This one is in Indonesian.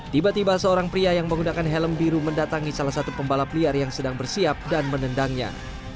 tiba tiba seorang pria yang menggunakan helm biru mendatangi salah satu pembalap liar yang sedang bersiap dan menendangnya